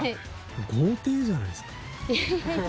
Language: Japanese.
豪邸じゃないですか。